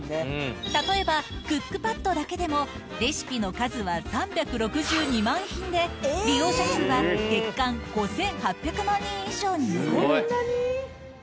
例えば、クックパッドだけでもレシピの数は３６２万品で、利用者数は月間５８００万人以上に上る。